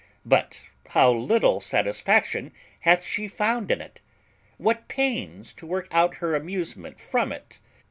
but how little satisfaction hath she found in it! What pains to work out her amusement from it!